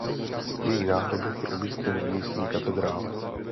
Její náhrobek je umístěn v místní katedrále.